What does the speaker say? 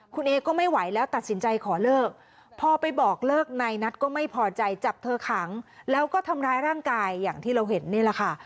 คุณเอก็ไม่ไหวแล้วตัดสินใจขอเลิกพอไปบอกเลิกนายนัทก็ไม่พอใจจับเธอขังแล้วก็ทำร้ายร่างกายอย่างที่เราเห็นนี่แหละค่ะ